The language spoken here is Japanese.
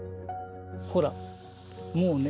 ほらもうね